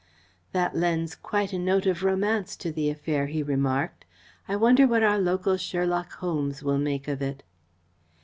"That lends quite a note of romance to the affair," he remarked. "I wonder what our local Sherlock Holmes will make of it."